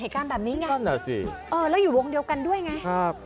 เหตุการณ์แบบนี้ไงนั่นแหละสิเออแล้วอยู่วงเดียวกันด้วยไงครับ